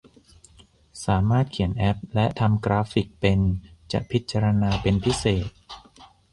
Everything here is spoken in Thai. สามารถเขียนแอพและทำกราฟฟิคเป็นจะพิจารณาเป็นพิเศษ